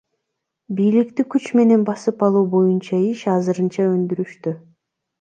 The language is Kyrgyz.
Бийликти күч менен басып алуу боюнча иш азырынча өндүрүштө.